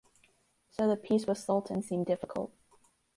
So the peace with Sultan seemed difficult.